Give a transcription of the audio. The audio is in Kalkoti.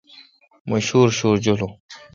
مہ شوُرشوُر جولون۔